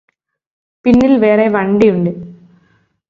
പിന്നിൽ വേറെ വണ്ടിയുണ്ട്